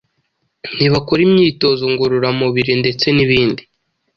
ntibakora imyitozo ngororamubiri ndetse n’ibindi